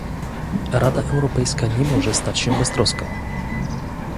Rada Europejska nie może stać się beztroska